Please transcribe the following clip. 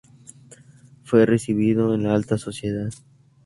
Fue recibido en la alta sociedad.